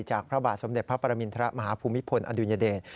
พระบาทสมเด็จพระปรมินทรมาฮภูมิพลอดุญเดช